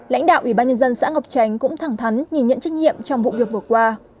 lãnh đạo ủy ban nhân dân xã ngọc tránh cũng thẳng thắn nhìn nhận trách nhiệm trong vụ việc vừa qua